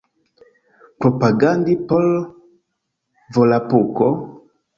Propagandi por Volapuko?